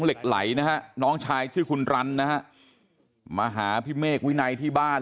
เหล็กไหลนะฮะน้องชายชื่อคุณรันนะฮะมาหาพี่เมฆวินัยที่บ้าน